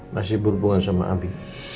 masih berhubungan sama abi